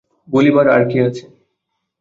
বলিবার আর কী আছে।